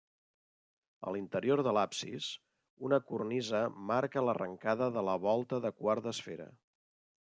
A l'interior de l'absis, una cornisa marca l'arrencada de la volta de quart d'esfera.